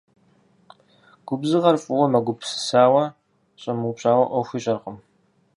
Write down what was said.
Губзыгъэр фӀыуэ мыгупсысауэ, щӀэмыупщӀауэ Ӏуэху ищӀэркъым.